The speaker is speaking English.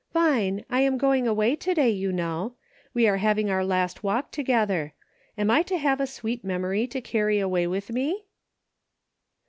"Vine, I am going away to day, you know. We are having our last walk together. Am I to have a sweet memory to carry away with me.